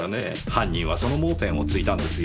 犯人はその盲点をついたんですよ。